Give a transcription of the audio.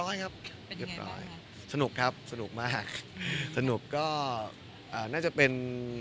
เป็นยังไงบ้างค่ะสนุกครับสนุกมากสนุกก็อ่าน่าจะเป็น